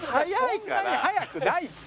そんなに速くないって。